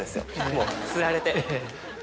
もう釣られて。